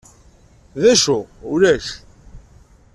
D acu? Ulac.